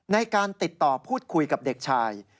ในการติดต่อพูดคุยกับเด็กชาย